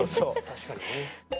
確かにね。